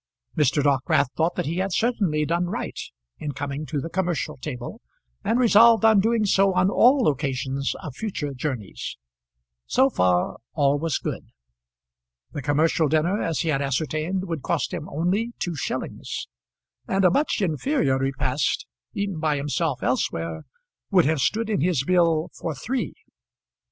Mr. Dockwrath thought that he had certainly done right in coming to the commercial table, and resolved on doing so on all occasions of future journeys. So far all was good. The commercial dinner, as he had ascertained, would cost him only two shillings, and a much inferior repast eaten by himself elsewhere would have stood in his bill for three.